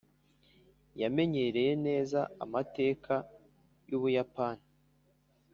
yamenyereye neza amateka yubuyapani.